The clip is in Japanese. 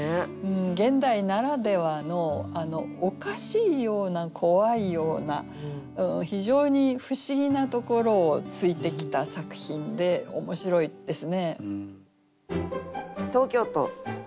現代ならではのおかしいような怖いような非常に不思議なところを突いてきた作品で面白いですね。